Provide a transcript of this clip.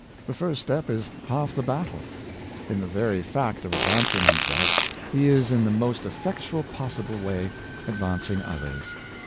The first step is half the battle. In the very fact of advancing himself, he is in the most effectual possible way advancing others.